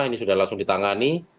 ini sudah langsung ditangani